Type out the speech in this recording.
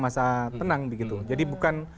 masa tenang begitu jadi bukan